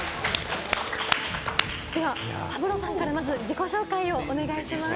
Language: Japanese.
では、パブロさんからまず自己紹介をお願いします。